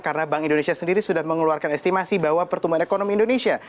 karena bank indonesia sendiri sudah mengeluarkan estimasi bahwa pertumbuhan ekonomi indonesia